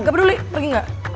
gak peduli pergi gak